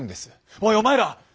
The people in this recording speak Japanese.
「おいお前ら！」。